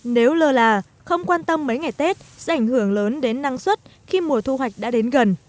nếu lơ là không quan tâm mấy ngày tết sẽ ảnh hưởng lớn đến năng suất khi mùa thu hoạch đã đến gần